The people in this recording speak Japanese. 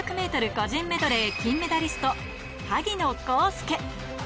個人メドレー金メダリスト、萩野公介。